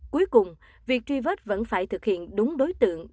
cuối cùng việc truy vết vẫn phải thực hiện đúng đối tượng